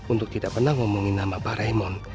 untuk tidak pernah ngomongin nama pak raimon